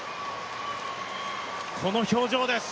この表情です。